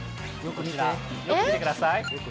こちら、よく見てください。